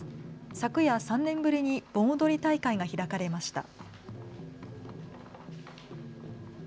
昨夜３年ぶりに盆踊り大会が開かれました。